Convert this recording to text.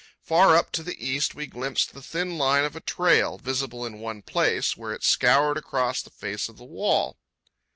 Far up, to the east, we glimpsed the thin line of a trail, visible in one place, where it scoured across the face of the wall.